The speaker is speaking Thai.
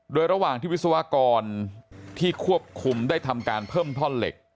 โดยระหว่างที่วิศวกรที่ควบคุมได้ทำการเพิ่มท่อนเหล็ก